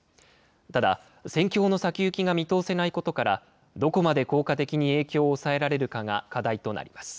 ただ、戦況の先行きが見通せないことから、どこまで効果的に影響を抑えられるかが課題となります。